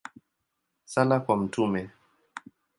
Sala kwa Mt.